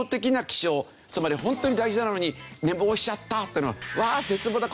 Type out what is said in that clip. つまりホントに大事なのに寝坊しちゃったっていうのは「うわ絶望だ！